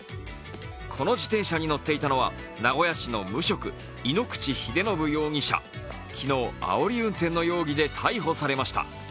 この自転車に乗っていたのは名古屋市の無職、井ノ口秀信容疑者昨日、あおり運転の容疑で逮捕されました。